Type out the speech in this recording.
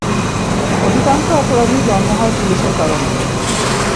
অধিকাংশ অপরাধী জন্ম হয় পুলিশের কারণে।